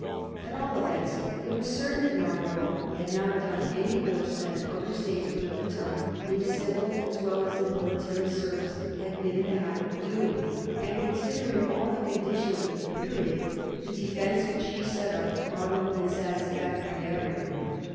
At all events it was certain that Marlborough had not done any worse than other statesmen of the time in civil as well as in military service had been in the habit of doing ; and, con sidering all the conditions of the period, the defence which he set up ought to have been satisfactory to everyone.